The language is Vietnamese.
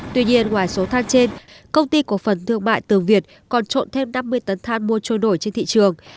tuy nhiên ngoài số than trên công ty cổ phần thương mại tường việt còn trộn thêm năm mươi tấn than mua trôi nổi trên thị trường